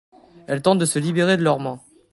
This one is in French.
Elle tente de se libérer de leurs mains.